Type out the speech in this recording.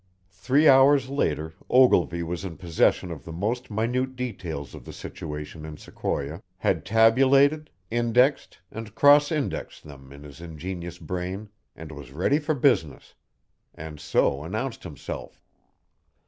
Three hours later Ogilvy was in possession of the most minute details of the situation in Sequoia, had tabulated, indexed, and cross indexed them in his ingenious brain and was ready for business and so announced himself.